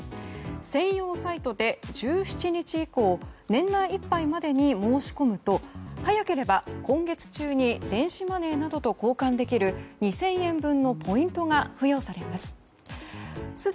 専用サイトで１７日以降年内いっぱいまでに申し込むと早ければ今月中に電子マネーなどと交換できる２０００円分のポイントが付与されます。